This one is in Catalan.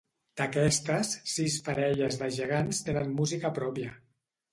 D'aquestes, sis parelles de gegants tenen música pròpia.